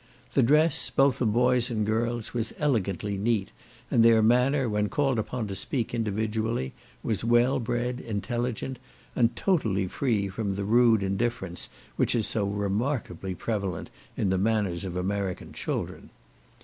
The dress, both of boys and girls, was elegantly neat, and their manner, when called upon to speak individually, was well bred, intelligent, and totally free from the rude indifference, which is so remarkably prevalent in the manners of American children.